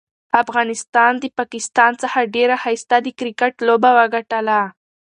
افغانستان ده پاکستان څخه ډيره ښايسته د کرکټ لوبه وګټله.